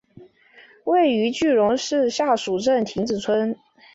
位于句容市下蜀镇亭子村。